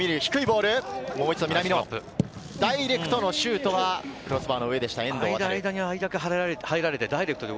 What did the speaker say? ダイレクトのシュートは、クロスバーの上でした、遠藤航。